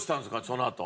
そのあと。